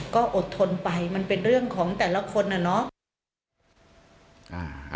ก็อดทนไปมันเป็นเรื่องของแต่ละคนน่ะเนาะ